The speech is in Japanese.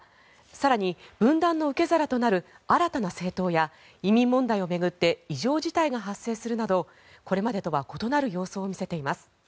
更に、分断の受け皿となる新たな政党や移民問題を巡って異常事態が発生するなどこれまでとは異なる様相を見せています。